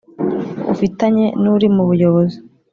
ufitanye n uri mu Buyobozi